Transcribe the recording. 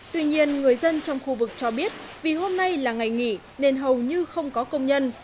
tuy nhiên người dân trong khu vực cho biết vì hôm nay là ngày nghỉ nên hầu như không có công nhân